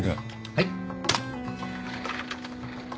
はい。